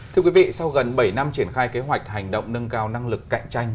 thưa quý vị sau gần bảy năm triển khai kế hoạch hành động nâng cao năng lực cạnh tranh